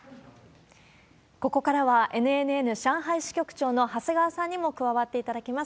ここからはＮＮＮ上海支局長の長谷川さんにも加わっていただきます。